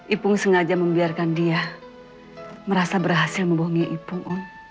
ipung sengaja membiarkan dia merasa berhasil membohongi ipung